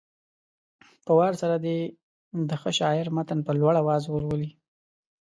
په وار سره دې د ښه شاعر متن په لوړ اواز ولولي.